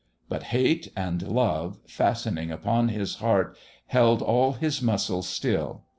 But hate and love, fastening upon his heart, held all his muscles still.